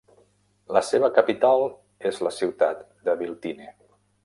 La seva capital és la ciutat de Biltine.